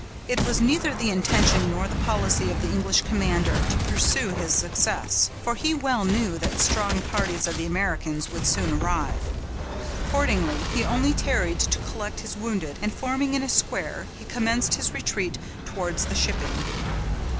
It was neither the intention nor the policy of the English commander to pursue his success, for he well knew that strong parties of the Americans would soon arrive; accordingly he only tarried to collect his wounded, and forming in a square, he commenced his retreat towards the shipping.